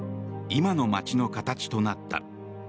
今の街の形となった。